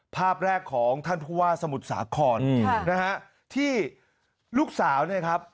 ภาพแรกของท่านผู้ว่าสมุทรสาครนะฮะที่ลูกสาวเนี่ยครับ